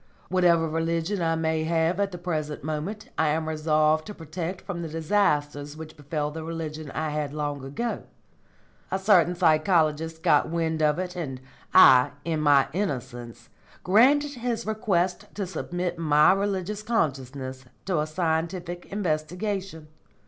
"Whatever religion I may have at the present moment I am resolved to protect from the disasters which befell the religion I had long ago. A certain psychologist got wind of it, and I, in my innocence, granted his request to submit my religious consciousness to a scientific investigation.